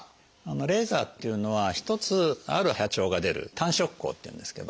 レーザーっていうのは一つある波長が出る単色光っていうんですけど。